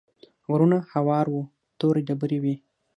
غرونه هوار وو تورې ډبرې وې.